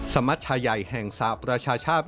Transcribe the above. สมัชยัยแห่งสหประชาชาติ